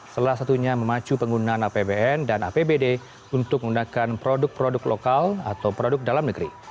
salah satunya memacu penggunaan apbn dan apbd untuk menggunakan produk produk lokal atau produk dalam negeri